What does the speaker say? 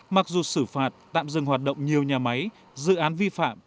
mặc dù xử phạt tạm dừng hoạt động nhiều nhà máy dự án vi phạm